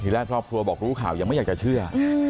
ทีละพ่อบอกรู้ข่าวยังไม่อยากจะเชื่อ